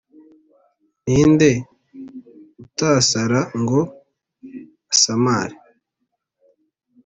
Ni nde utasara ngo asamare